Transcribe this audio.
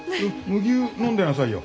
麦湯飲んでなさいよ。